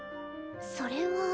それは。